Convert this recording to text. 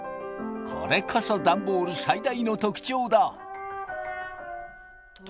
これこそダンボール最大の特徴だ。